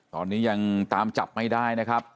ตอนนี้ยังตามจับไม่ได้นะครับ